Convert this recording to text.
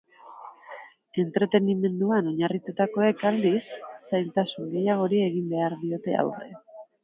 Entretenimenduan oinarritutakoek, aldiz, zailtasun gehiagori egin behar diote aurre.